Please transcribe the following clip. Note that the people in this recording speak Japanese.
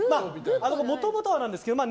もともとはなんですけども。